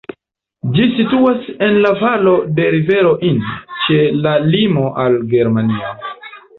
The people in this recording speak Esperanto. Ĝi situas en la valo de rivero Inn, ĉe la limo al Germanio.